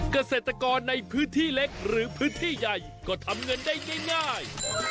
เกษตรกรในพื้นที่เล็กหรือพื้นที่ใหญ่ก็ทำเงินได้ง่าย